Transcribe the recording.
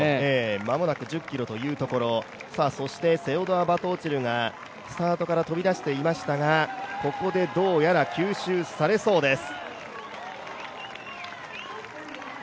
間もなく１０ｋｍというところセルオド・バトオチルがスタートから飛び出していましたが、ここでどうやら吸収されそうです。